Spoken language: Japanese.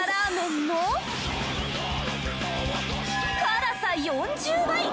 辛さ４０倍！